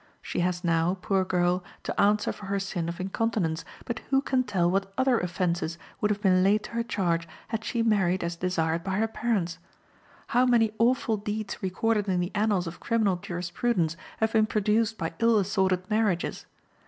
She has now, poor girl, to answer for her sin of incontinence, but who can tell what other offenses would have been laid to her charge had she married as desired by her parents? How many awful deeds recorded in the annals of criminal jurisprudence have been produced by ill assorted marriages!